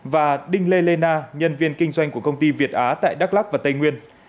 và đinh lê lê na nhân viên kinh doanh của công ty việt á tại đắk lắc và tây nguyên